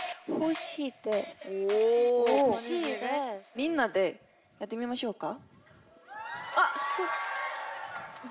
みんなでやってみましょうか？